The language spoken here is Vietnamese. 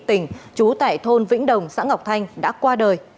tỉnh trú tại thôn vĩnh đồng xã ngọc thanh đã qua đời